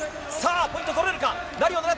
ポイントを取れるか？